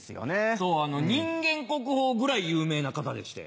そう人間国宝ぐらい有名な方でして。